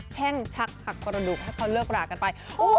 แช่งชักผักกระดูกให้เขาเลิกรากันไป